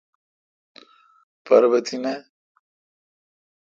پر بہ تینہ۔